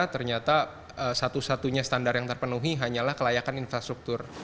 ternyata satu satunya standar yang terpenuhi hanyalah kelayakan infrastruktur